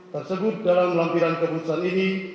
tersebut dalam lampiran keputusan ini